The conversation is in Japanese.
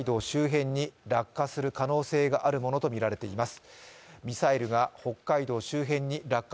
８時ごろ北海道周辺に落下する可能性があるものとみられています。